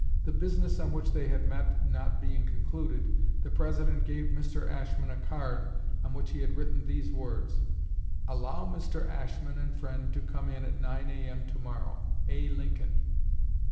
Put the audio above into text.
The business on which they had met not being concluded, the President gave Mr. Ashmun a card on which he had written these words: "Allow Mr. Ashmun and friend to come in at 9 A.M. to morrow A. Lincoln."